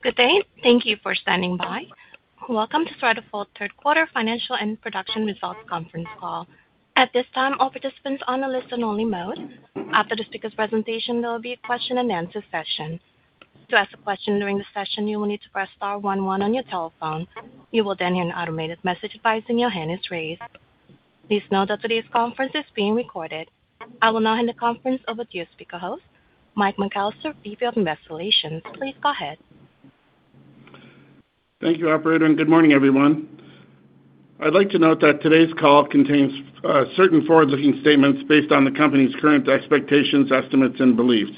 Good day. Thank you for standing by. Welcome to Cerrado Gold third quarter financial and production results conference call. At this time, all participants are on the listen-only mode. After the speaker's presentation, there will be a question-and-answer session. To ask a question during the session, you will need to press star one one on your telephone. You will then hear an automated message advising your hand is raised. Please note that today's conference is being recorded. I will now hand the conference over to your speaker host, Mike McAllister, VP of Investor Relations. Please go ahead. Thank you, operator, and good morning, everyone. I'd like to note that today's call contains certain forward-looking statements based on the company's current expectations, estimates, and beliefs.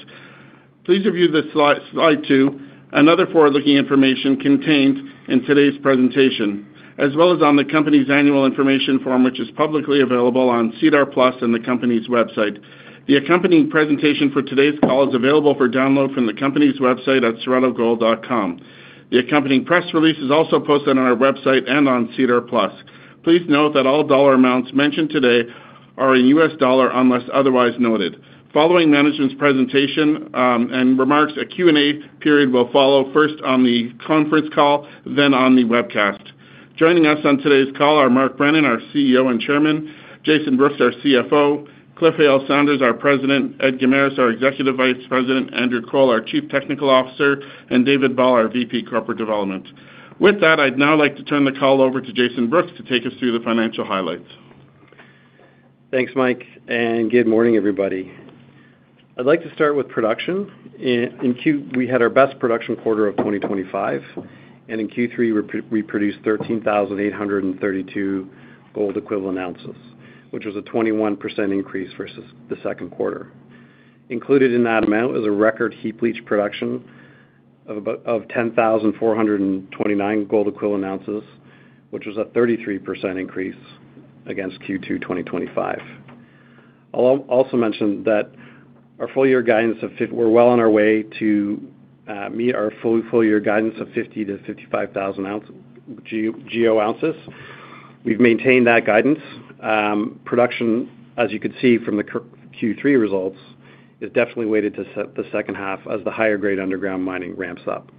Please review slide 2 and other forward-looking information contained in today's presentation as well as on the company's Annual Information Form, which is publicly available on SEDAR+ and the company's website. The accompanying presentation for today's call is available for download from the company's website at cerradogold.com. The accompanying press release is also posted on our website and on SEDAR+. Please note that all dollar amounts mentioned today are in US dollar unless otherwise noted. Following management's presentation and remarks, a Q&A period will follow, first on the conference call, then on the webcast. Joining us on today's call are Mark Brennan, our CEO and Chairman, Jason Brooks, our CFO, Cliff Hale-Sanders, our President, Ed Guimaras, our Executive Vice President, Andrew Kroll, our Chief Technical Officer, and David Ball, our VP Corporate Development. With that, I'd now like to turn the call over to Jason Brooks to take us through the financial highlights. Thanks Mike and good morning everybody. I'd like to start with production. We had our best production quarter of 2025 and in Q3 we produced 13,832 gold equivalent ounces which was a 21% increase versus the second quarter. Included in that amount is a record heap leach production of 10,429 gold equivalent ounces, which was a 33% increase against Q2 2025. I'll also mention that our full year guidance we're well on our way to meet our full year guidance of 50,000 oz-55,000 oz. We've maintained that guidance production, as you can see from the Q3 results, is definitely weighted to the second half as the higher grade underground mining ramps up.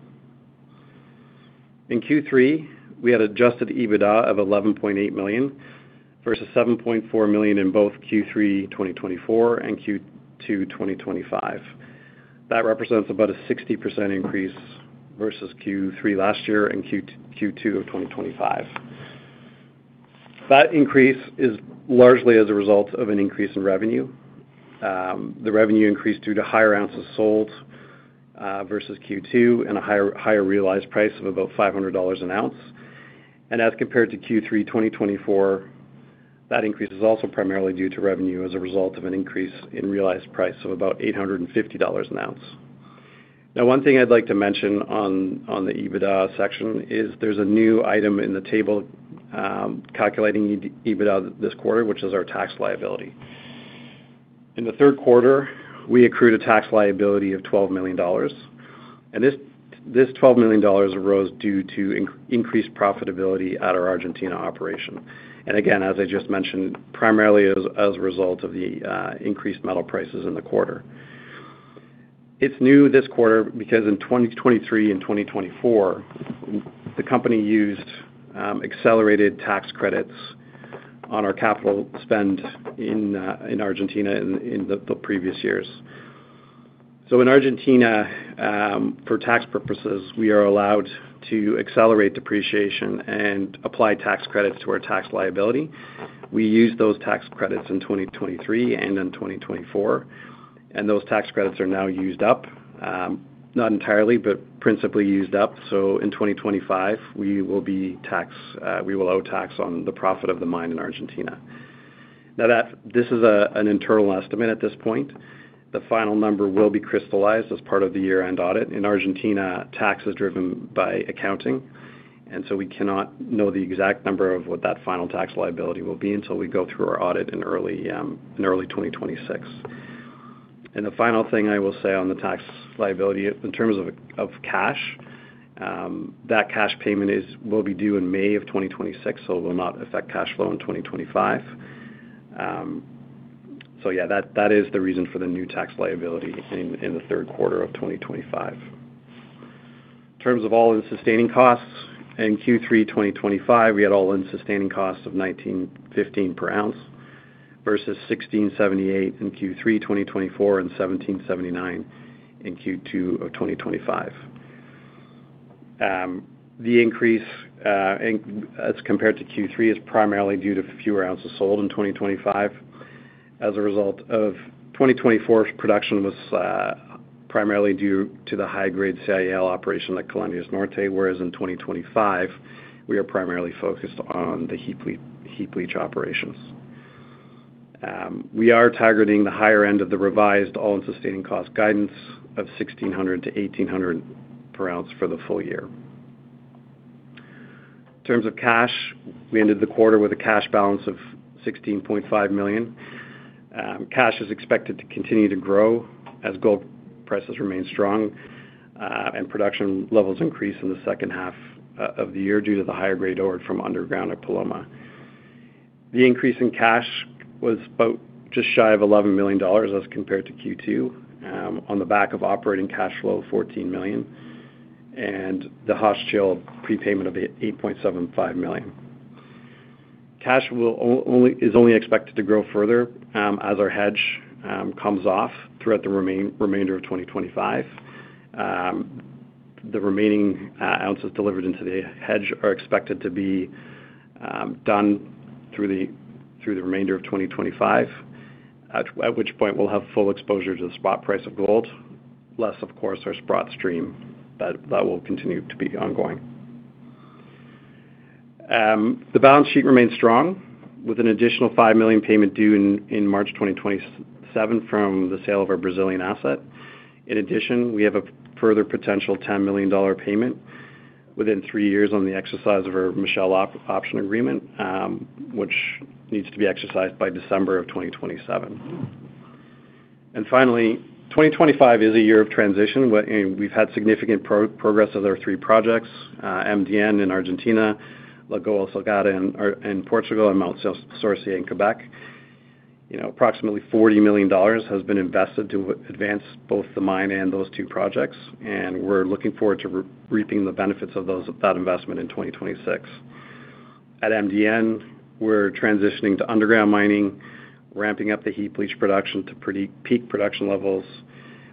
In Q3 we had adjusted EBITDA of $11.8 million versus $7.4 million in both Q3 2024 and Q2 2025. That represents about a 60% increase versus Q3 last year and Q2 of 2025. That increase is largely as a result of an increase in revenue. The revenue increased due to higher ounces sold versus Q2 and a higher realized price of about $500 an ounce. As compared to Q3, 2024, that increase is also primarily due to revenue as a result of an increase in realized price of about $850 an ounce. One thing I'd like to mention on the EBITDA section is there's a new item in the table calculating EBITDA this quarter, which is our tax liability. In the third quarter we accrued a tax liability of $12 million. This $12 million arose due to increased profitability at our Argentina operation. Again, as I just mentioned, primarily as a result of the increased metal prices in the quarter. It's new this quarter because in 2023 and 2024 the company used accelerated tax credits on our capital spend in Argentina in the previous years. In Argentina for tax purposes, we are allowed to accelerate depreciation and apply tax credits to our tax liability. We used those tax credits in 2023 and in 2024, and those tax credits are now used up. Not entirely, but principally used up. In 2025 we will owe tax on the profit of the mine in Argentina. Now this is an internal estimate at this point, the final number will be crystallized as part of the year end audit. In Argentina, tax is driven by accounting. We cannot know the exact number of what that final tax liability will be until we go through our audit in early early 2026. The final thing I will say on the tax liability in terms of cash, that cash payment will be due in May of 2026, so it will not affect cash flow in 2025. That is the reason for the new tax liability in the third quarter of 2025. In terms of all-in sustaining costs in Q3 2025, we had all-in sustaining costs of $1,915 per ounce versus $1,678 in Q3 2024 and $1,779 in Q2 of 2025. The increase as compared to Q3 is primarily due to fewer ounces sold in 2025. As a result of 2024, production was primarily due to the high-grade Ciel operation at Columbia's Norte, whereas in 2025 we are primarily focused on the heap leach operations. We are targeting the higher end of the revised all-in sustaining cost guidance of $1,600-$1,800 per ounce for the full year. In terms of cash, we ended the quarter with a cash balance of $16.5 million. Cash is expected to continue to grow as gold prices remain strong and production levels increase in the second half of the year due to the higher grade ore from underground. At Paloma, the increase in cash was about just shy of $11 million as compared to Q2 on the back of operating cash flow $14 million and the hedge prepayment of $8.75 million. Cash is only expected to grow further as our hedge comes off throughout the remainder of 2025. The remaining ounces delivered into the hedge are expected to be done through the remainder of 2025, at which point we'll have full exposure to the spot price of gold, less of course our Sprott stream that will continue to be ongoing. The balance sheet remains strong with an additional $5 million payment due in March 2027 from the sale of our Brazilian asset. In addition, we have a further potential $10 million payment within three years on the exercise of our Michelle option agreement which needs to be exercised by December of 2027. Finally, 2025 is a year of transition. We have had significant progress of our three projects, MDN in Argentina, Lagoa Salgada in Portugal, and Mont Sorcier in Quebec. Approximately $40 million has been invested to advance both the mine and those two projects and we are looking forward to reaping the benefits of that investment in 2026. At MDN, we are transitioning to underground mining, ramping up the heap leach production to peak production levels.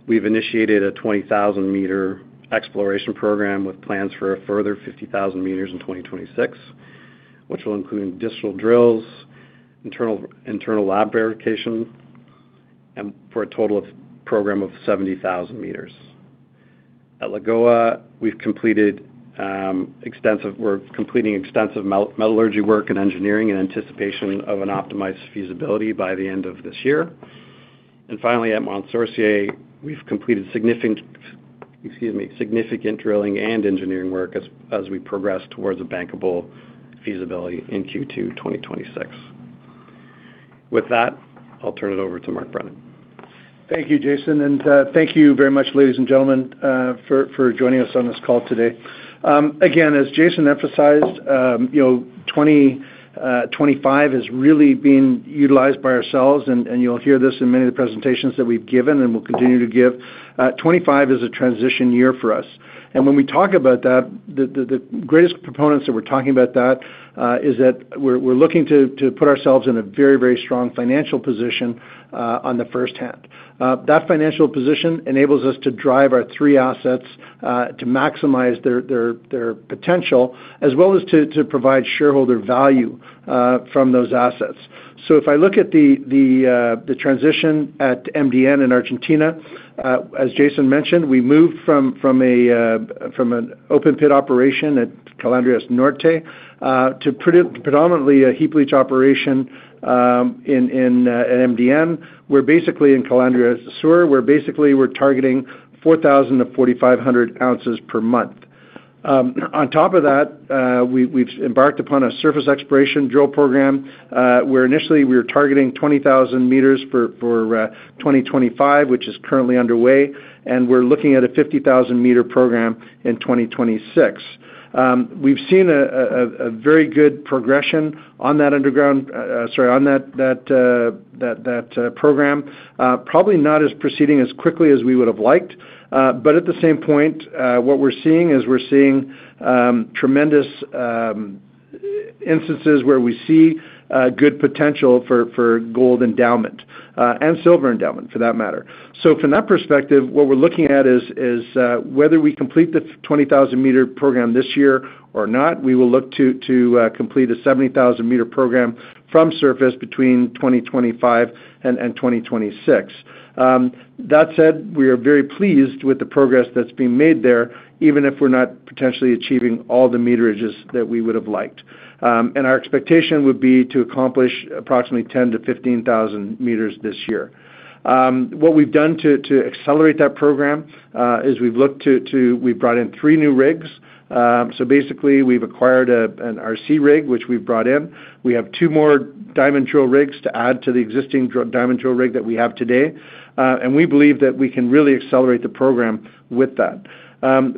We've initiated a 20,000 m exploration program with plans for a further 50,000 m in 2026 which will include distal drills, internal lab verification and for a total program of 70,000 m. At Lagoa, we've completed extensive. We're completing extensive metallurgy work and engineering in anticipation of an optimized feasibility by the end of this year. Finally, at Mont Sorcier, we've completed significant drilling and engineering work as we progress towards a bankable feasibility in Q2 2026. With that, I'll turn it over to Mark Brennan. Thank you, Jason. Thank you very much, ladies and gentlemen, for joining us on this call today. Again, as Jason emphasized, you know, 2025 is really being utilized by ourselves and you'll hear this in many of the presentations that we've given and 2025 is a transition year for us. When we talk about that, the greatest proponents that we're talking about, that is that we're looking to put ourselves in a very, very strong financial position. On the first hand, that financial position enables us to drive our three assets to maximize their potential as well as to provide shareholder value from those assets. If I look at the transition at MDN in Argentina, as Jason mentioned, we moved from an open pit operation at Calandrias Norte to predominantly a heap leach operation at MDN. We're basically in Calandrias Sur. We're basically targeting 4,000 oz-4,500 oz per month. On top of that, we've embarked upon a surface exploration drill program where initially we were targeting 20,000 m for 2025, which is currently underway. We are looking at a 50,000 m program in 2026. We've seen a very good progression on that underground. Sorry, on that program, probably not proceeding as quickly as we would have liked. At the same point, what we're seeing is tremendous instances where we see good potential for gold endowment and silver endowment for that matter. From that perspective, what we're looking at is whether we complete the 20,000 m program this year or not. We will look to complete a 70,000 m program from surface between 2025 and 2026. That said, we are very pleased with the progress that's being made there, even if we're not potentially achieving all the meterages that we would have liked. Our expectation would be to accomplish approximately 10,000 m-15,000 m this year. What we've done to accelerate that program is we've looked to, we've brought in three new rigs. Basically, we've acquired an RC rig which we've brought in. We have two more diamond drill rigs to add to the existing diamond drill rig that we have today. We believe that we can really accelerate the program with that.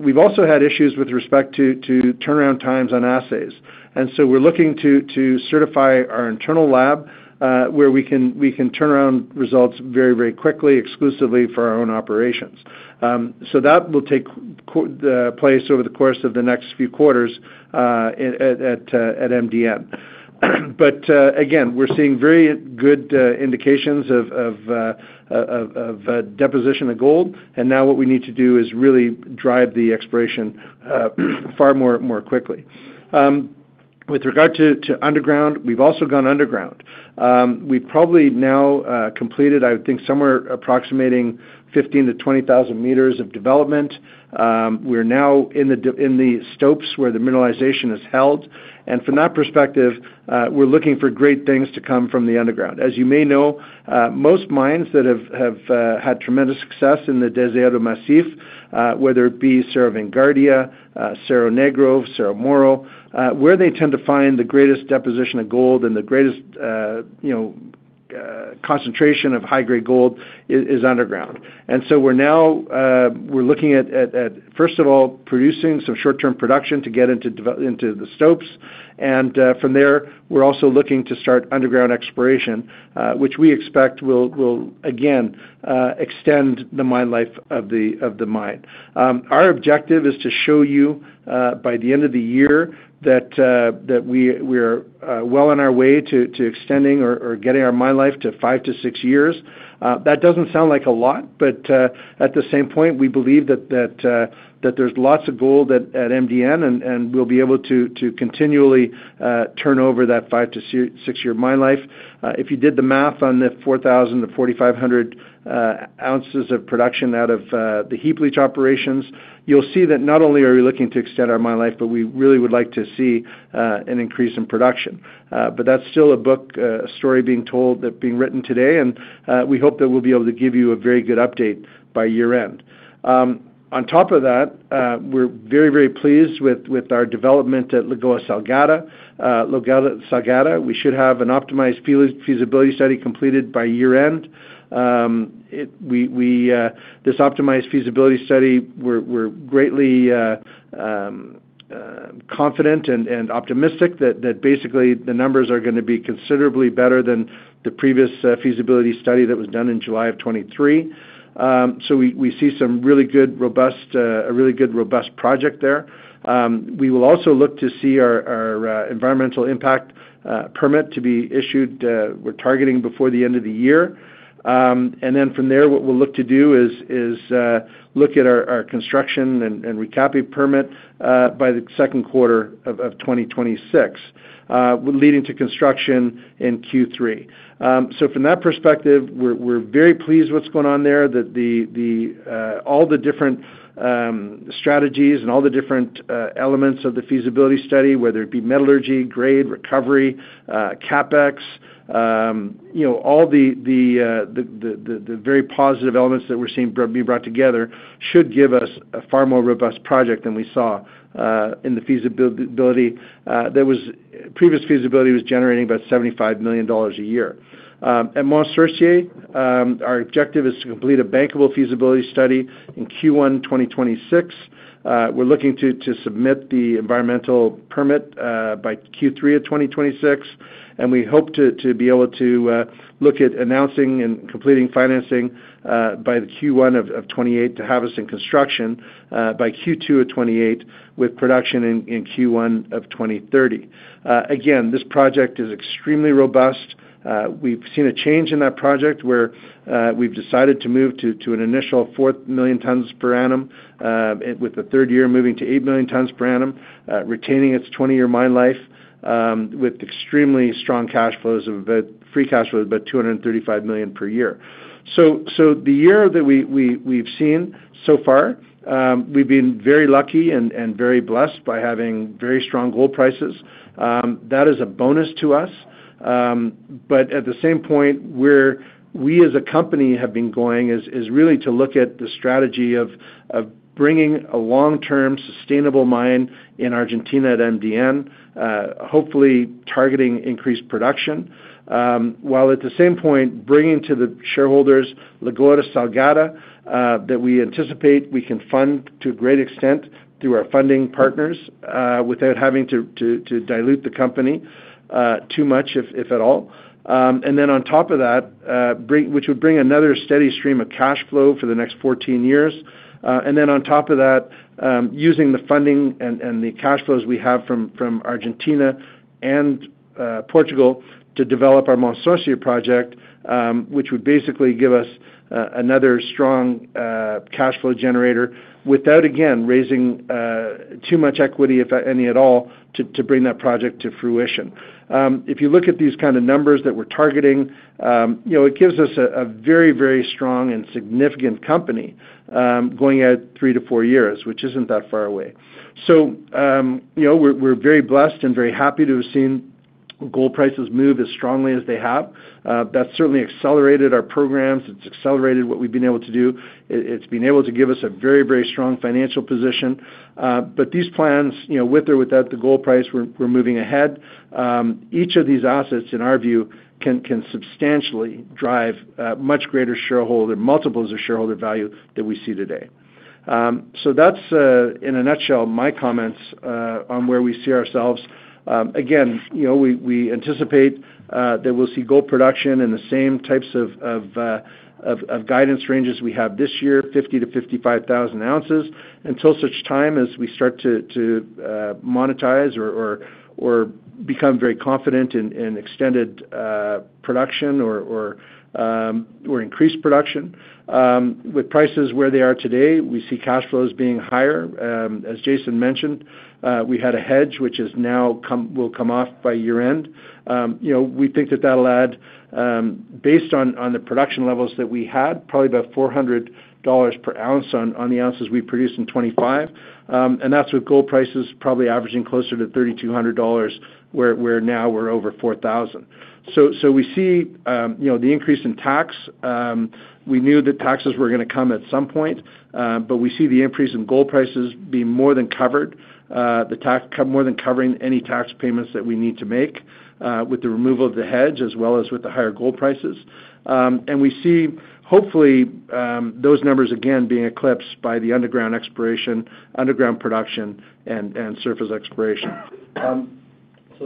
We've also had issues with respect to turnaround times on assays. We're looking to certify our internal lab where we can turn around results very, very quickly, exclusively for our own operations. That will take place over the course of the next few quarters at MDN. Again, we're seeing very good indications of deposition of gold. What we need to do is really drive the exploration far more quickly. With regard to underground, we've also gone underground. We've probably now completed, I think, somewhere approximating 15,000 m-20,000 m of development. We're now in the stopes where the mineralization is held. From that perspective, we're looking for great things to come from the underground. As you may know, most mines that have had tremendous success in the Deseado Massif, whether it be Cerro Vanguardia, Cerro Negro, Cerro Moro, where they tend to find the greatest deposition of gold and the greatest concentration of high grade gold is underground. We are now looking at first of all producing some short term production to get into the stopes. From there we are also looking to start underground exploration which we expect will again extend the mine life of the mine. Our objective is to show you by the end of the year that we are well on our way to extending or getting our mine life to five to six years. That doesn't sound like a lot, but at the same point we believe that there's lots of gold at MDN and we'll be able to continually turn over that five- to six-year mine life. If you did the math on the 4,000 oz-4,500 oz of production out of the heap leach operations, you'll see that not only are we looking to extend our mine life, but we really would like to see an increase in production. That's still a book, a story being told, being written today. We hope that we'll be able to give you a very good update by year end. On top of that, we're very, very pleased with our development at Lagoa Salgada. We should have an optimized feasibility study completed by year end. This optimized feasibility study, we're greatly confident and optimistic that basically the numbers are going to be considerably better than the previous feasibility study that was done in July of 2023. We see some really good, robust, a really good robust project there. We will also look to see our environmental impact permit to be issued. We're targeting before the end of the year. From there what we'll look to do is look at our construction and recapi permit by the second quarter of 2026 leading to construction in Q3. From that perspective we're very pleased. What's going on there is that all the different strategies and all the different elements of the feasibility study, whether it be metallurgy, grade recovery, CapEx, all the very positive elements that we're seeing being brought together should give us a far more robust project than we saw in the feasibility. Previous feasibility was generating about $75 million a year at Mont Sorcier. Our objective is to complete a bankable feasibility study in Q1 2026. We're looking to submit the environmental permit by Q3 of 2026 and we hope to be able to look at announcing and completing financing by the Q1 of 2028 to have us in construction by Q2 of 2028 with production in Q1 of 2030. Again, this project is extremely robust. We've seen a change in that project where we've decided to move to an initial 4 million tons per annum with the third year moving to 8 million tons per annum, retaining its 20 year mine life with extremely strong cash flows of free cash flows about $235 million per year. The year that we've seen so far, we've been very lucky and very blessed by having very strong gold prices. That is a bonus to us. At the same point where we as a company have been going is really to look at the strategy of bringing a long term sustainable mine in Argentina at MDN, hopefully targeting increased production while at the same point bringing to the shareholders Lagoa Salgada that we anticipate we can fund to a great extent through our funding partners without having to dilute the company too much, if at all. On top of that, which would bring another steady stream of cash flow for the next 14 years. On top of that, using the funding and the cash flows we have from Argentina and Portugal to develop our Mont Sorcier project, which would basically give us another strong cash flow generator without again raising too much equity, if any at all, to bring that project to fruition. If you look at these kind of numbers that we're targeting, it gives us a very, very strong and significant company going out three to four years, which isn't that far away. We are very blessed and very happy to have seen gold prices move as strongly as they have. That certainly accelerated our programs. It's accelerated what we've been able to do. It's been able to give us a very, very strong financial position. These plans, with or without the gold price, we're moving ahead. Each of these assets in our view can substantially drive much greater multiples of shareholder value than we see today. That's in a nutshell my comments on where we see ourselves again. We anticipate that we'll see gold production in the same types of guidance ranges we have this year, 50,000 oz-55,000 oz. Until such time as we start to monetize or become very confident in extended production or increased production. With prices where they are today, we see cash flows being higher. As Jason mentioned, we had a hedge which now will come off by year end. We think that that will add, based on the production levels that we had, probably about $400 per ounce on the ounces we produced in 2025. That is with gold prices probably averaging closer to $3,200, where now we are over $4,000. We see the increase in tax. We knew that taxes were going to come at some point, but we see the increase in gold prices being more than covered, more than covering any tax payments that we need to make with the removal of the hedge as well as with the higher gold prices. We see hopefully those numbers again being eclipsed by the underground exploration, underground production and surface exploration.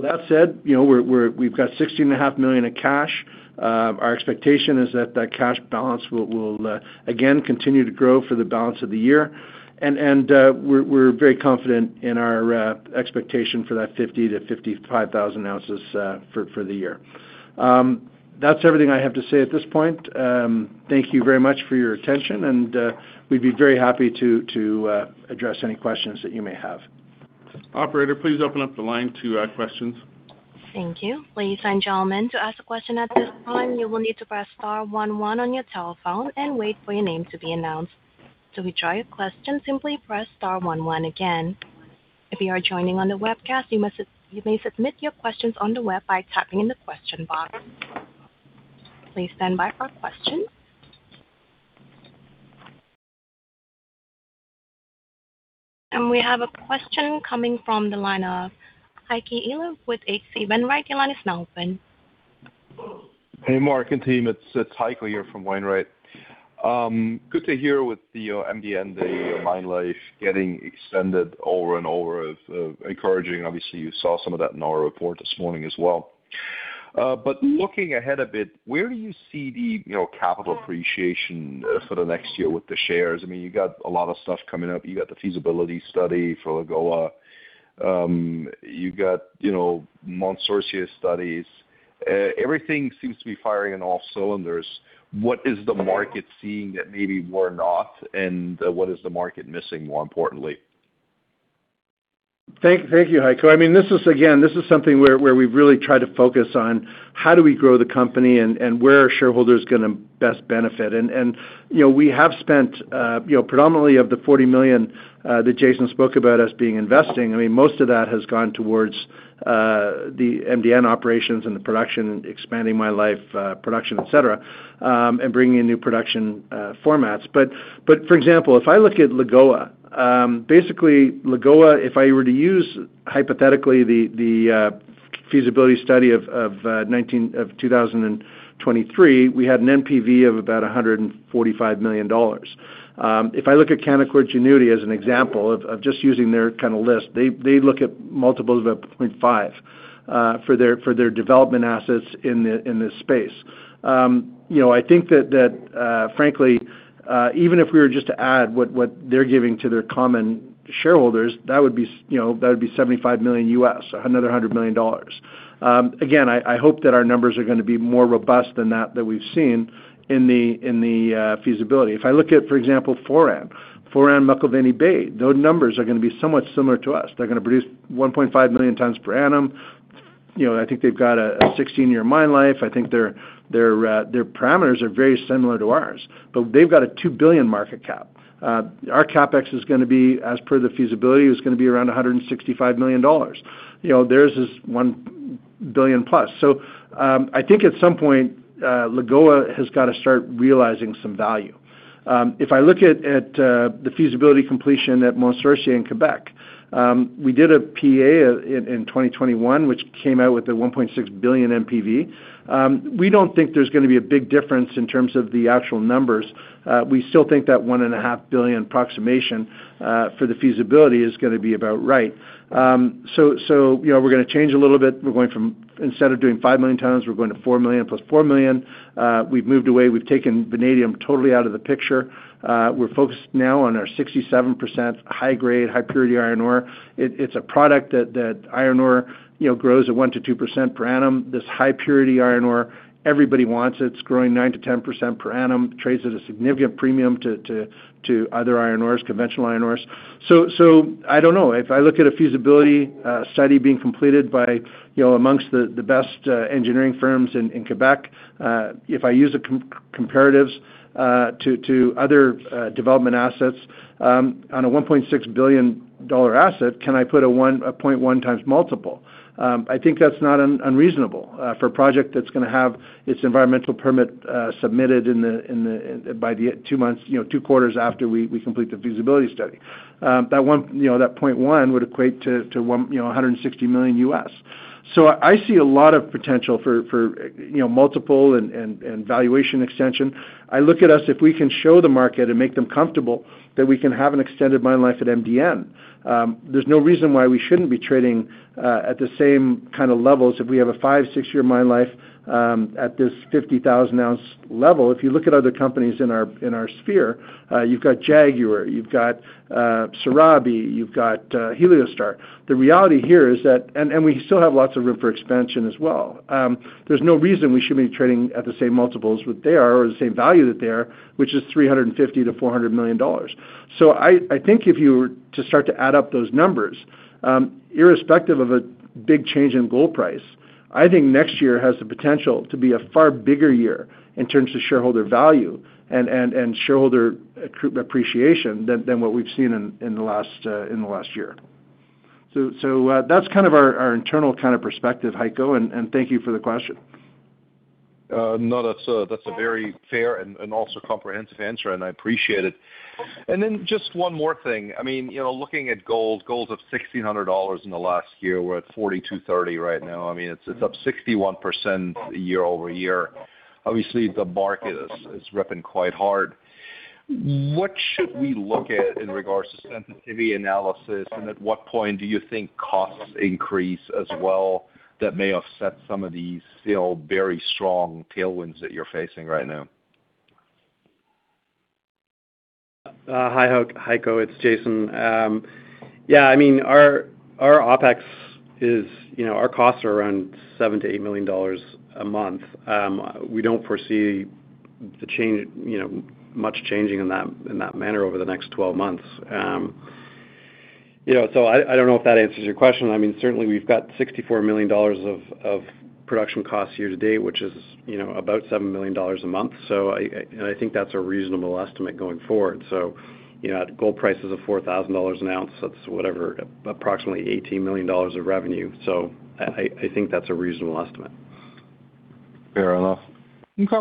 That said, you know, we've got $16.5 million in cash. Our expectation is that that cash balance will again continue to grow for the balance of the year. We're very confident in our expectation for that. 50,000 oz-55,000 oz for the year. That's everything I have to say at this point. Thank you very much for your attention and we'd be very happy to address any questions that you may have. Operator, please open up the line to questions. Thank you. Ladies and gentlemen, to ask a question at this time, you will need to press star one one on your telephone and wait for your name to be announced. To withdraw your question, simply press star one one again. If you are joining on the webcast, you may submit your questions on the web by typing in the question box. Please stand by for questions. We have a question coming from the line of Heiko with H.C. Wainwright. Your line is now open. Hey, Mark and team, it's Heiko here from Wainwright. Good to hear with the MDN, the mine life getting extended over and over. Encouraging. Obviously you saw some of that in. Our report this morning as well. Looking ahead a bit, where do you see the capital appreciation for the next year with the shares? I mean, you got a lot of stuff coming up. You got the feasibility study for Lagoa, you got Mont Sorcier studies. Everything seems to be firing on all cylinders. What is the market seeing that maybe we're not? What is the market missing, more importantly? Thank you, Heiko. I mean, this is again, this is something where we really try to focus on how do we grow the company and where are shareholders going to best benefit. We have spent predominantly of the $40 million that Jason spoke about as being investing. Most of that has gone towards the MDN operations and the production, expanding mine life production, et cetera, and bringing in new production formats. For example, if I look at Lagoa, basically, Lagoa, if I were to use hypothetically the feasibility study of 2023, we had an NPV of about $145 million. If I look at Canaccord Genuity as an example of just using their kind of list, they look at multiples of 0.5 for their development assets in this space. You know, I think that frankly, even if we were just to add what they're giving to their common shareholders, that would be, you know, that would be $75 million U.S., another $100 million. Again, I hope that our numbers are going to be more robust than that that we've seen in the feasibility. If I look at, for example, Foran Mining McIlvenna Bay, those numbers are going to be somewhat similar to us. They're going to produce 1.5 million tons per annum. You know, I think they've got a 16 year mine life. I think their parameters are very similar to ours, but they've got a $2 billion market cap. Our CapEx is going to be, as per the feasibility, is going to be around $165 million. You know, theirs is $1 billion+. I think at some point Lagoa has got to start realizing some value. If I look at the feasibility completion at Mont Sorcier in Quebec, we did a PEA in 2021 which came out with a $1.6 billion NPV. We don't think there's going to be a big difference in terms of the actual numbers. We still think that $1.5 billion approximation for the feasibility is going to be about right. We're going to change a little bit. We're going from, instead of doing 5 million tons, we're going to 4 million + 4 million. We've moved away, we've taken vanadium totally out of the picture. We're focused now on our 67% high grade, high purity iron ore. It's a product that iron ore grows at 1%-2% per annum. This high purity iron ore, everybody wants it, it's growing 9%-10% per annum, trades at a significant premium to other iron ores, conventional iron ores. I don't know if I look at a feasibility study being completed by amongst the best engineering firms in Quebec. If I use the comparatives to other development assets on a $1.6 billion asset, can I put a 0.1x multiple? I think that's not unreasonable for a project that's going to have its environmental permit submitted by the two months, two quarters after we complete the feasibility study. That 0.1x would equate to $160 million. I see a lot of potential for multiple and valuation extension. I look at us, if we can show the market and make them comfortable that we can have an extended mine life at MDN, there's no reason why we shouldn't be trading at the same kind of levels if we have a five, six year mine life at this 50,000 oz level. If you look at other companies in our sphere, you've got Jaguar, you've got Serabi, you've got Heliostar. The reality here is that, and we still have lots of room for expansion as well, there's no reason we shouldn't be trading at the same multiples what they are, or the same value that they are, which is $350 million-$400 million. I think if you were to start to add up those numbers, irrespective of a big change in gold price, I think next year has the potential to be a far bigger year in terms of shareholder value and shareholder appreciation than what we've seen in the last year. That's kind of our internal kind of perspective. Heiko, thank you for the question. No, that's a very fair and also comprehensive answer and I appreciate it. And then just one more thing. I mean, looking at gold, gold of. $1,600 in the last year, we're at 42.30 right now. I mean, it's up 61% year-over-year. Obviously the market is ripping quite hard. What should we look at in regards to sensitivity analysis? At what point do you think costs increase as well that may offset some of these still very strong tailwinds that you're facing right now? Hi Ko, it's Jason. Yeah, I mean our OpEx is, you know, our costs are around $7 million-$8 million a month. We don't foresee the change, you know, much changing in that manner over the next 12 months, you know. I don't know if that answers your question. I mean, certainly we've got $64 million of production costs year to date, which is, you know, about $7 million a month. I think that's a reasonable estimate going forward. You know, at gold prices of $4,000 an ounce, that's whatever, approximately $18 million of revenue. I think that's a reasonable estimate. Fair enough. Okay,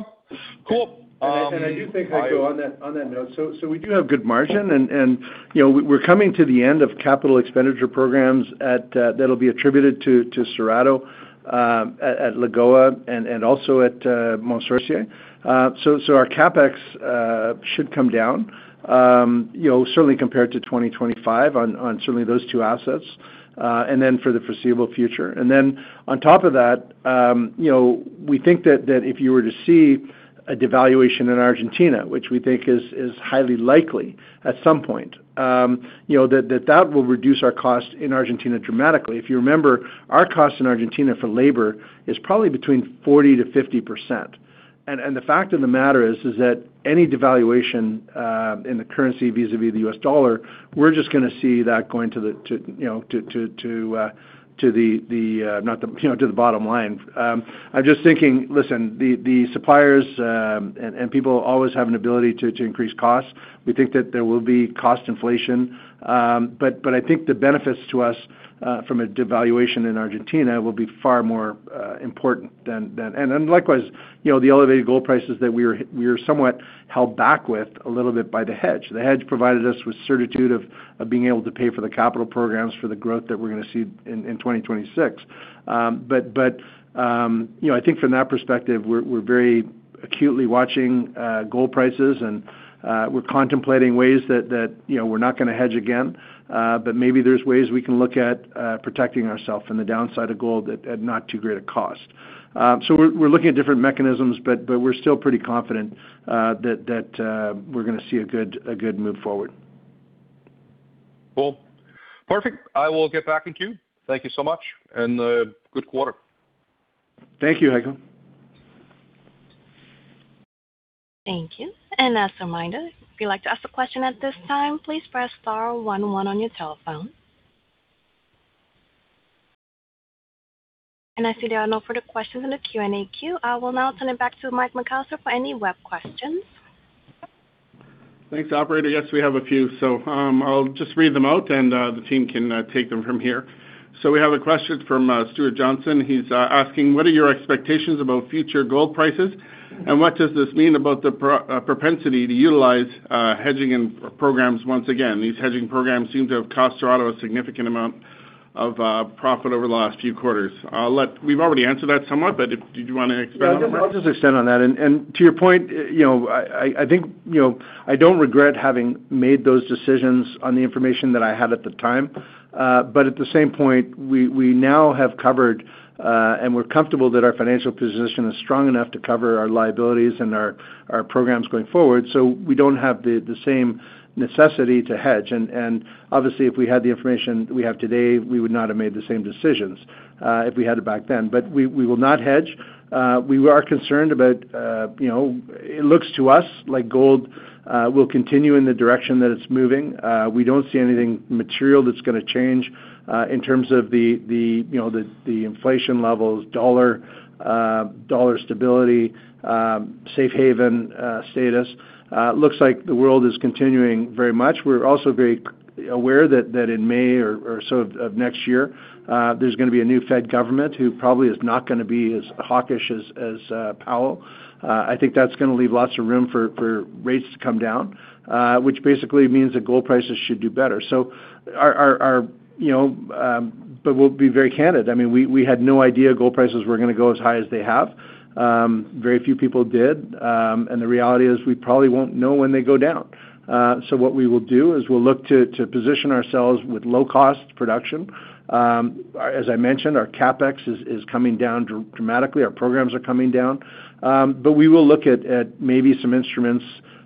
cool. I do think I'd go on that note. We do have good margin and, you know, we're coming to the end of capital expenditure programs. That'll be attributed to Cerrado at Lagoa Salgada and also at Mont Sorcier. Our CapEx should come down, certainly compared to 2024, on certainly those two assets and then for the foreseeable future. On top of that, you know, we think that if you were to see a devaluation in Argentina, which we think is highly likely at some point, that will reduce our cost in Argentina dramatically. If you remember, our cost in Argentina for labor is probably between 40%-50%. The fact of the matter is that any devaluation in the currency vis a vis the U.S. dollar, we're just going to see that going to the, you know, to the, not the, to the bottom line. I'm just thinking, listen, the suppliers and people always have an ability to increase costs. We think that there will be cost inflation, but I think the benefits to us from a devaluation in Argentina will be far more important. Likewise, the elevated gold prices that we were somewhat held back with a little bit by the hedge. The hedge provided us with certitude of being able to pay for the capital programs for the growth that we're going to see in 2026. I think from that perspective, we're very acutely watching gold prices and we're contemplating ways that we're not going to hedge again, but maybe there's ways we can look at protecting ourselves from the downside of gold at not too great a cost. We're looking at different mechanisms, but we're still pretty confident that we're going to see a good move forward. Cool. Perfect. I will get back in queue. Thank you so much and good quarter. Thank you, Heiko. Thank you. As a reminder, if you'd like to ask a question at this time, please press star one one on your telephone. I see there are no further questions in the Q&A queue. I will now turn it back to Mike McAllister for any web questions. Thanks, operator. Yes, we have a few. I'll just read them out and the team can take them from here. We have a question from Stuart Johnson. He's asking, what are your expectations about future gold prices and what does this mean about the propensity to utilize hedging programs? Once again, these hedging programs seem to have cost Dorothea a significant amount of profit over the last few quarters. We've already answered that somewhat, but did you want to expand on that? I'll just extend on that. To your point, you know, I think, you know, I don't regret having made those decisions on the information that I had at the time. At the same point we now have covered and we're comfortable that our financial position is strong enough to cover our liabilities and our programs going forward. We don't have the same necessity to hedge. Obviously if we had the information we have today, we would not have made the same decisions if we had it back then. We will not hedge. We are concerned about, you know, it looks to us like gold will continue in the direction that it's moving. We don't see anything material that's going to change in terms of the, you know, the inflation levels, dollar stability, safe haven status. Looks like the world is continuing very much. We're also very aware that in May or so of next year there's going to be a new Fed government who probably is not going to be as hawkish as Powell. I think that's going to leave lots of room for rates to come down, which basically means that gold prices should do better. Our, you know, but we'll be very candid. I mean we had no idea gold prices were going to go as high as they have. Very few people did. The reality is we probably won't know when they go down. What we will do is we'll look to position ourselves with low cost production. As I mentioned, our CapEx is coming down dramatically, our programs are coming down, but we will look at maybe some instruments,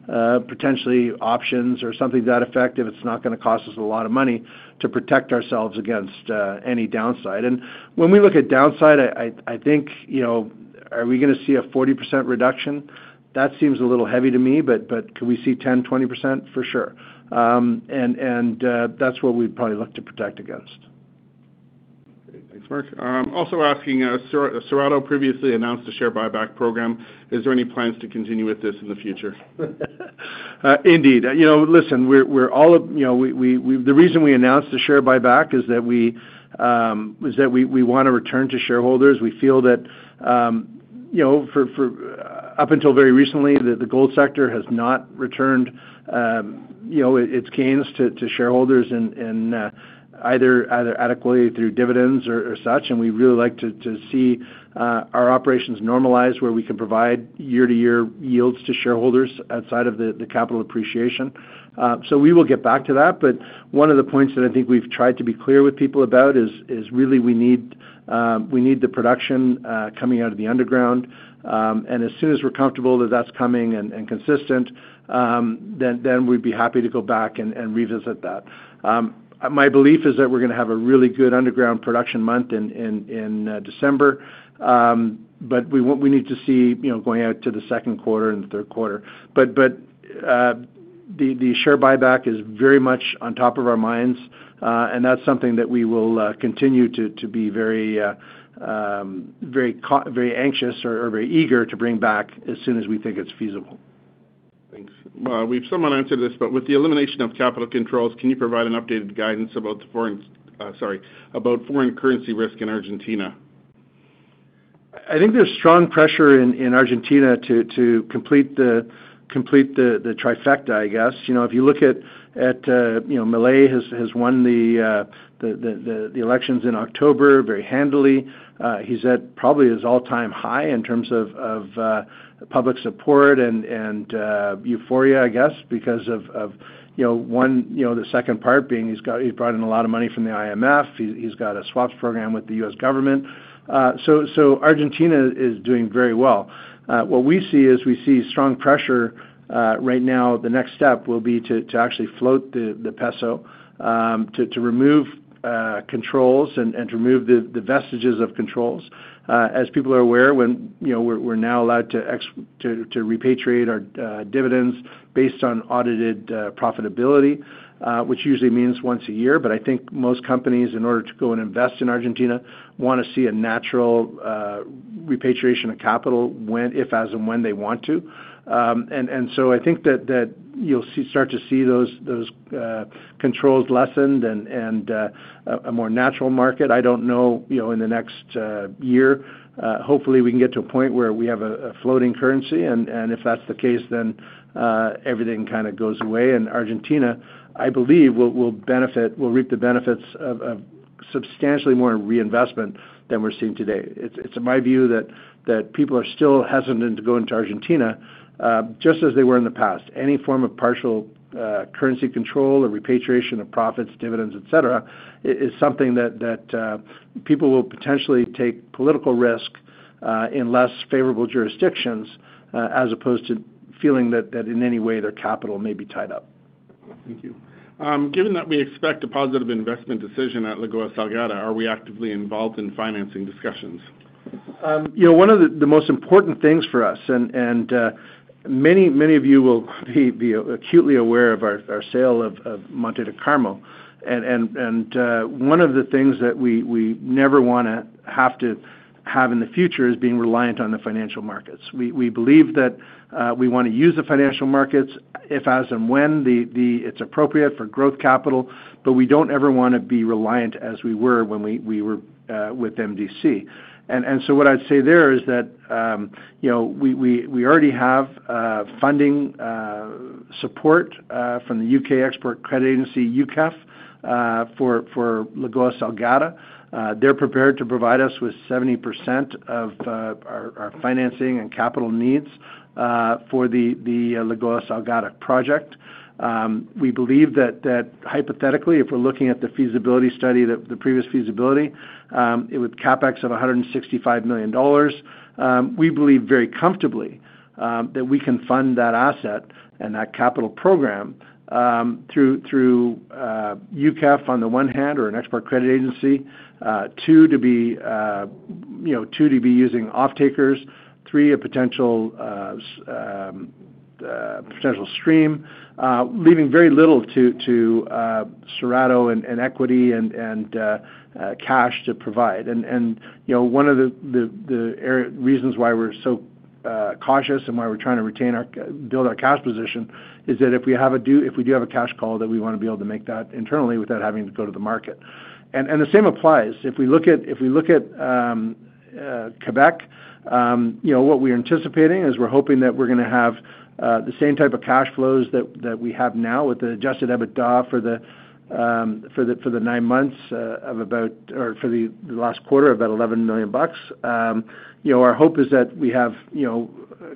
potentially options or something that effective. It's not going to cost us a lot of money to protect ourselves against any downside. When we look at downside, I think, you know, are we going to see a 40% reduction? That seems a little heavy to me. Could we see 10%-20%? For sure. That's what we'd probably look to protect against. Thanks Mark. Also asking, Cerrado previously announced a share buyback program. Is there any plans to continue with? This in the future? Indeed. You know, listen, we're all, you know, the reason we announced the share buyback is that we want to return to shareholders. We feel that, you know, up until very recently the gold sector has not returned, you know, its gains to shareholders either adequately through dividends or such. We really like to see our operations normalize where we can provide year to year yields to shareholders outside of the capital appreciation. We will get back to that. One of the points that I think we've tried to be clear with people about is really we need the production coming out of the underground and as soon as we're comfortable that that's coming and consistent, then we'd be happy to go back and revisit that. My belief is that we're going to have a really good underground production month in December, but we need to see going out to the second quarter and third quarter. The share buyback is very much on top of our minds. That's something that we will continue to be very anxious or very eager to bring back as soon as we think it's feasible. Thanks. We've somewhat answered this, but with the elimination of capital controls, can you provide an updated guidance about the foreign—sorry, about foreign currency risk in Argentina. I think there's strong pressure in Argentina to complete the trifecta. I guess, you know, if you look at, you know, Milei has won the elections in October very handily. He's at probably his all-time high in terms of public support. And you've euphoria, I guess, because of, you know, one, you know, the second part being he's got, he's brought in a lot of money from the IMF, he's got a swaps program with the U.S. Government. So Argentina is doing very well. What we see is we see strong pressure right now. The next step will be to actually float the peso to remove controls and to remove the vestiges of controls as people are aware, when, you know, we're now allowed to repatriate our dividends based on audited profitability, which usually means once a year. I think most companies, in order to go and invest in Argentina, want to see a natural repatriation of capital if, as and when they want to. I think that you'll start to see those controls lessened and a more natural market. I don't know. You know, in the next year, hopefully we can get to a point where we have a floating currency. If that's the case, then everything kind of goes away. Argentina, I believe, will benefit, will reap the benefits of substantially more reinvestment than we're seeing today. It's my view that people are still hesitant to go into Argentina just as they were in the past. Any form of partial currency control or repatriation of part profits, dividends, et cetera, is something that people will potentially take political risk in less favorable jurisdictions as opposed to feeling that in any way their capital may be tied up. Thank you. Given that we expect a positive investment decision at Lagoa Salgada, are we actively involved in financing discussions? You know, one of the most important things for us. Many, many of you will be acutely aware of our sale of Monte de Carmo. One of the things that we never want to have to have in the future is being reliant on the financial markets. We believe that we want to use the financial markets if, as and when it's appropriate for growth capital. We don't ever want to be reliant as we were when we were with MDC. What I'd say there is that, you know, we already have funding support from the U.K. Export Finance for Lagoa Salgada. They're prepared to provide us with 70% of our financing and capital needs for the Lagoa Salgada project. We believe that hypothetically, if we're looking at the feasibility study that the previous feasibility with CapEx of $165 million, we believe very comfortably that we can fund that asset and that capital program through UCAF on the one hand, or an export credit agency. Two to be, you know, two to be using off takers, three, a potential stream, leaving very little to Cerrado and equity and cash to provide. You know, one of the reasons why we're so cautious and why we're trying to retain our build our cash position is that if we have a do, if we do have a cash call, that we want to be able to make that internally without having to go to the market. The same applies if we look at Quebec, you know, what we're anticipating is we're hoping that we're going to have the same, same type of cash flows that we have now with the adjusted EBITDA for the nine months of about, or for the last quarter, about $11 million. You know, our hope is that we have, you know,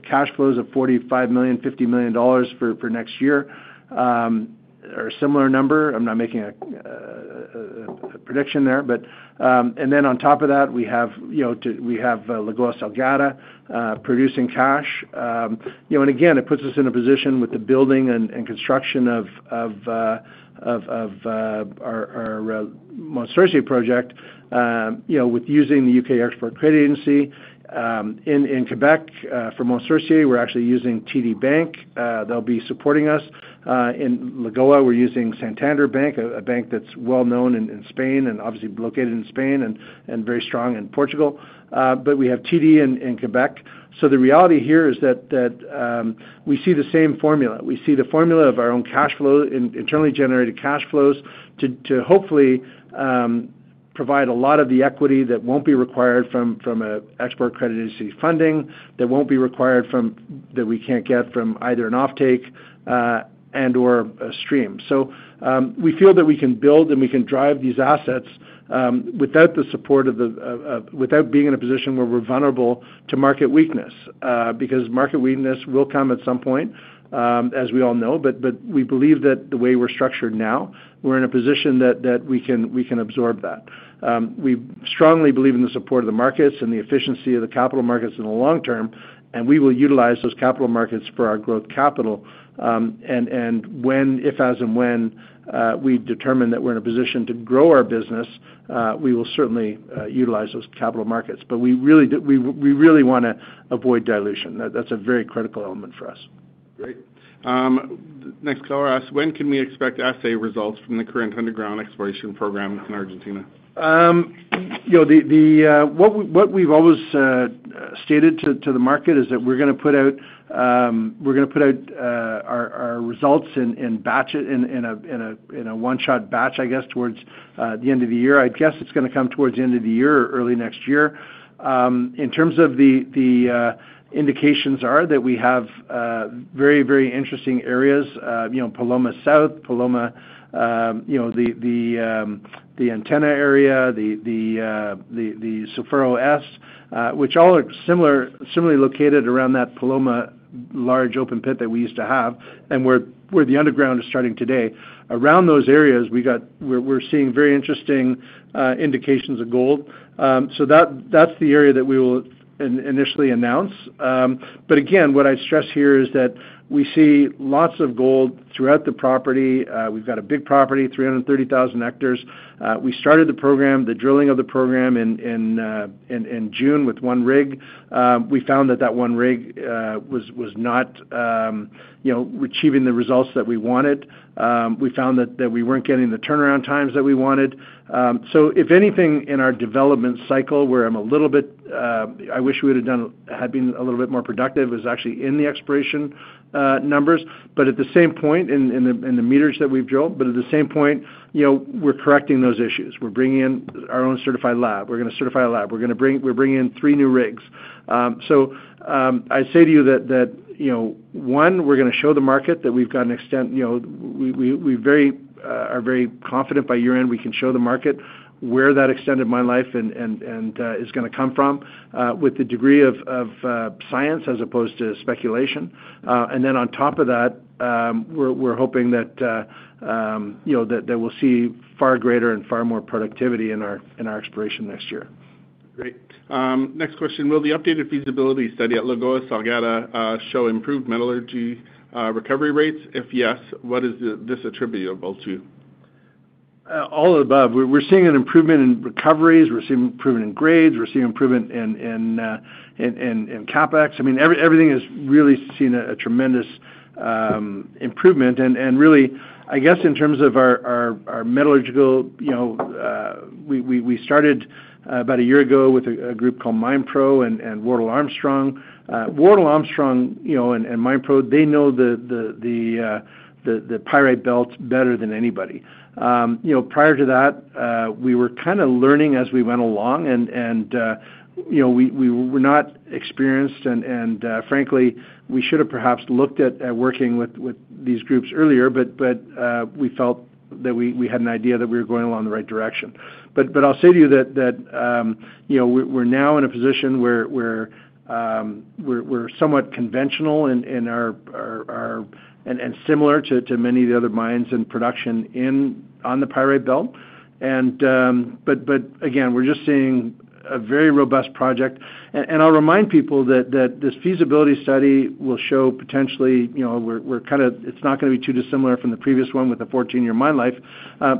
cash flows of $45 million-$50 million for next year or a similar number. I'm not making a prediction there, but. On top of that, we have, you know, we have Lagoa Salgada producing cash, you know, and again, it puts us in a position with the building and construction of our Mont Sorcier project, you know, with using the U.K. Export Finance in Quebec for Mont Sorcier. We're actually using TD Bank. They'll be supporting us in Lagoa. We're using Santander Bank, a bank that's well known in Spain and obviously located in Spain and very strong in Portugal, but we have TD in Quebec. The reality here is that we see the same formula. We see the formula of our own cash flow, internally generated cash flows to hopefully provide a lot of the equity that won't be required from export credit agency funding, that won't be required that we can't get from either an offtake and, or a stream. We feel that we can build and we can drive these assets without the support of the, without being in a position where we're vulnerable to market weakness because market weakness will come at some point as we all know. We believe that the way we're structured now we're in a position that we can absorb that. We strongly believe in the support of the markets and the efficiency of the capital markets in the long term. We will utilize those capital markets for our growth capital. If, as and when we determine that we're in a position to grow our business, we will certainly utilize those capital markets. We really want to avoid dilution. That's a very critical element for us. Great. Next caller asks when can we expect assay results from the current underground exploration program in Argentina? What we've always stated to the market is that we're going to put out our results in a one shot batch. I guess towards the end of the year. I guess it's going to come towards the end of the year or early next year. In terms of the indications are that we have very, very interesting areas, you know, Paloma South, Paloma, the antenna area, the Sufuro S, which all are similarly located around that Paloma large open pit that we used to have and where the underground is starting today. Around those areas we're seeing very interesting indications of gold. That is the area that we will initially announce. What I stress here is that we see lots of gold throughout the property. We've got a big property, 330,000 hectares. We started the program, the drilling of the program in June with one rig. We found that that one rig was not achieving the results that we wanted. We found that we weren't getting the turnaround times that we wanted. If anything in our development cycle where I'm a little bit, I wish we would have done had been a little bit more productive is actually in the exploration numbers. At the same point in the meters that we've drilled, at the same point, you know, we're correcting those issues. We're bringing in our own certified lab, we're going to certify a lab, we're bringing in three new rigs. I say to you that, you know, one, we're going to show the market that we've got an extent, you know, we are very confident by year end we can show the market where that extended mine life is going to come from with the degree of science as opposed to speculation. On top of that, we're hoping that we'll see far greater and far more productivity in our exploration next year. Great. Next question. Will the updated feasibility study at Lagoa Salgada show improved metallurgy recovery rates? If yes, what is this attributable to? All of the above? We're seeing an improvement in recoveries, we're seeing improvement in grades, we're seeing improvement in CapEx. I mean everything has really seen a tremendous improvement. I guess in terms of our metallurgical, you know, we started about a year ago with a group called MindPro and Wardell Armstrong. Wardell Armstrong, you know, and MindPro, they know the pyrite belt better than anybody. You know, prior to that we were kind of learning as we went along and, you know, we were not experienced and frankly we should have perhaps looked at working with these groups earlier but we felt that we had an idea that we were going along the right direction. I'll say to you that, you know, we're now in a position where we're somewhat conventional and similar to many of the other mines and production on the pyrite belt. Again, we're just seeing a very robust project. I'll remind people that this feasibility study will show potentially, you know, we're kind of, it's not going to be too dissimilar from the previous one with the 14 year mine life.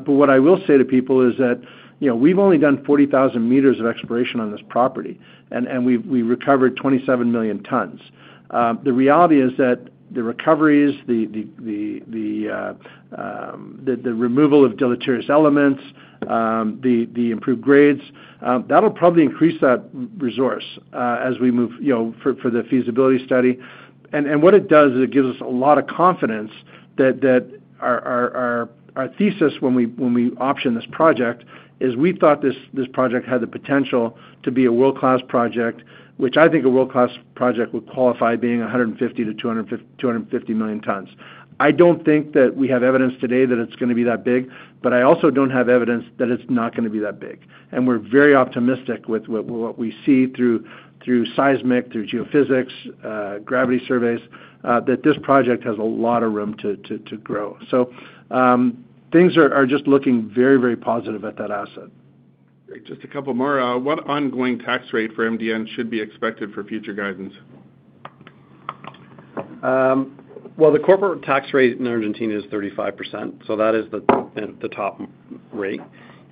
What I will say to people is that, you know, we've only done 40,000 m of exploration on this property and we recovered 27 million tons. The reality is that the recoveries, the removal of deleterious elements, the improved grades, that'll probably increase that resource as we move for the feasibility study. What it does is it gives us a lot of confidence that our thesis when we optioned this project is we thought this project had the potential to be a world class project, which I think a world class project would qualify being 150 million-250 million tons. I do not think that we have evidence today that it is going to be that big. I also do not have evidence that it is not going to be that big. We are very optimistic with what we see through seismic, through geophysics, gravity surveys that this project has a lot of room to grow. Things are just looking very, very positive at that asset. Just a couple more. What ongoing tax rate for MDN should be expected for future guidance? The corporate tax rate in Argentina is 35%. That is the top rate.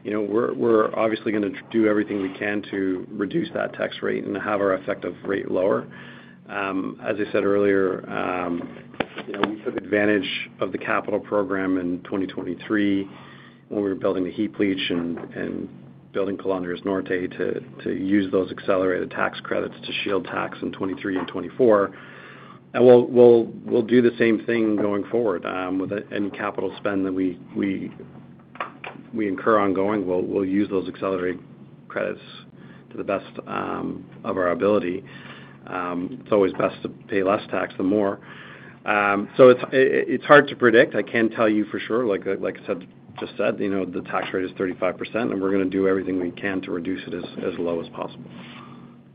We're obviously going to do everything we can to reduce that tax rate and have our effective rate lower. As I said earlier, we took advantage of the capital program in 2023 when we were building the heap leach and building Calandres Norte to use those accelerated tax credits to shield tax in 2023 and 2024. We'll do the same thing going forward with any capital spend that we incur ongoing. We'll use those accelerated credits to the best of our ability. It's always best to pay less tax. It's hard to predict. I can't tell you for sure. Like I just said, you know, the tax rate is 35% and we're going to do everything we can to reduce it as low as possible.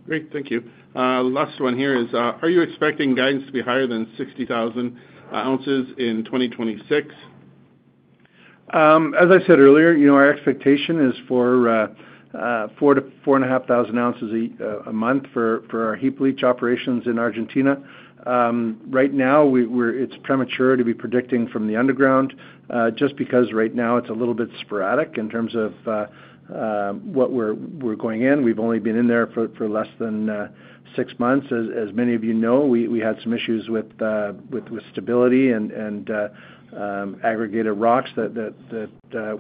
Great. Thank you. Last one here is, are you expecting guidance to be higher than 60,000 oz in 2026? As I said earlier, you know, our expectation is for four to four-and-a-half thousand ounces a month for our heap leach operations in Argentina. Right now it's premature to be predicting from the underground just because right now it's a little bit sporadic in terms of what we're going in. We've only been in there for less than six months. As many of you know, we had some issues with stability and aggregated rocks that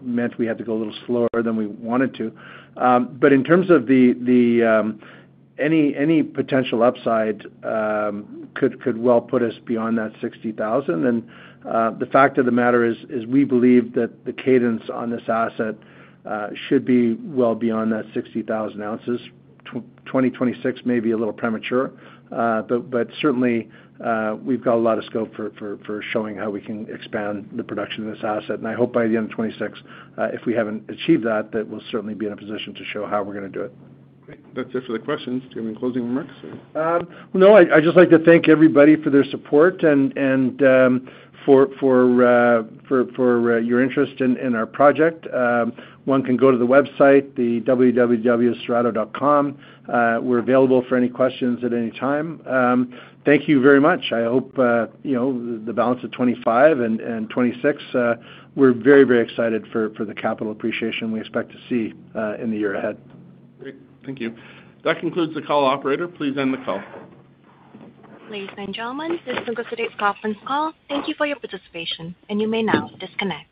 meant we had to go a little slower than we wanted to. In terms of any potential upside, it could well put us beyond that 60,000 oz. The fact of the matter is, we believe that the cadence on this asset should be well beyond that 60,000 oz. 2026 may be a little premature, but certainly we've got a lot of scope for showing how we can expand the production of this asset. I hope by the end of 2026, if we haven't achieved that, that we'll certainly be in a position to show how we're going to do it. That's it for the questions. Do you have any closing remarks? No, I'd just like to thank everybody for their support and for your interest in our project. One can go to the website, the www.cerradogold.com. We're available for any questions at any time. Thank you very much. I hope the balance of 2025 and 2026. We're very, very excited for the capital appreciation we expect to see in the year ahead. Great. Thank you. That concludes the call. Operator, please end the call. Ladies and gentlemen, this concludes today's conference call. Thank you for your participation, and you may now disconnect.